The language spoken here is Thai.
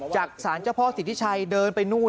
จากศาลเจ้าพ่อสิทธิชัยเดินไปนู่น